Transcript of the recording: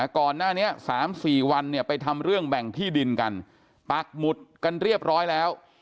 ก่อนหน้านี้๓๔วันเนี่ยไปทำเรื่องแบ่งที่ดินกันปักหมุดกันเรียบร้อยแล้ว